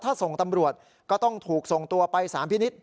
ถ้าส่งตำรวจก็ต้องถูกส่งตัวไปสารพินิษฐ